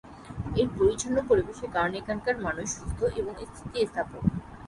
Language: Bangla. এর পরিচ্ছন্ন পরিবেশের কারণে এখানকার মানুষ সুস্থ এবং স্থিতিস্থাপক।